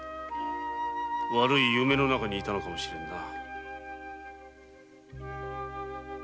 悪い夢の中にいたのかもしれんな。